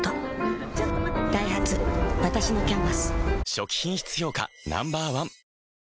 初期品質評価Ｎｏ．１